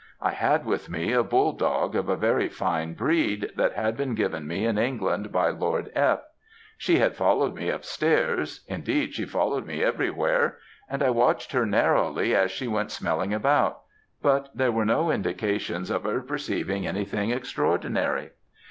"I had with me a bull dog, of a very fine breed, that had been given me in England by Lord F. She had followed me up stairs indeed, she followed me every where and I watched her narrowly as she went smelling about, but there were no indications of her perceiving any thing extraordinary.